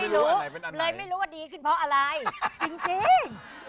รู้เลยไม่รู้ว่าดีขึ้นเพราะอะไรจริง